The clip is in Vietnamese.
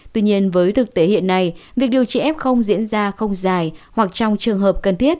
tuy nhiên với thực tế hiện nay việc điều trị f diễn ra không dài hoặc trong trường hợp cần thiết